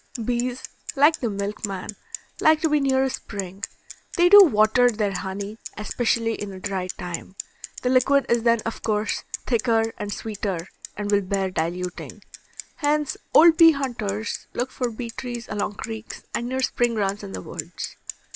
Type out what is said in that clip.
Bees, like the milkman, like to be near a spring. They do water their honey, especially in a dry time. The liquid is then of course thicker and sweeter, and will bear diluting. Hence, old bee hunters look for bee trees along creeks and near spring runs in the woods.